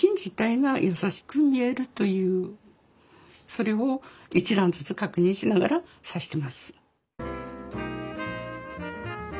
それを一段ずつ確認しながら刺してます。